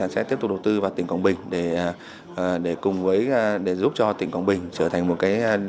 sẽ tiếp tục đầu tư vào tỉnh quảng bình để giúp cho tỉnh quảng bình trở thành một cái